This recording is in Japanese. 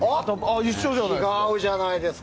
一緒じゃないですか。